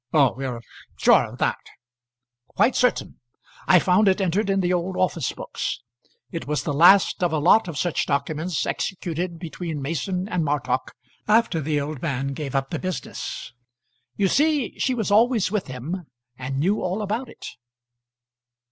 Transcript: "Oh; you're sure of that?" "Quite certain. I found it entered in the old office books. It was the last of a lot of such documents executed between Mason and Martock after the old man gave up the business. You see she was always with him, and knew all about it."